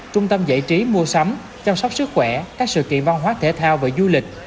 trung tâm giải trí mua sắm chăm sóc sức khỏe các sự kiện văn hóa thể thao và du lịch